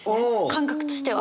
感覚としては。